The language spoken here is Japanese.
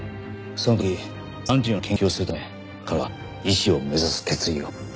その時がん治療の研究をするため彼女は医師を目指す決意を。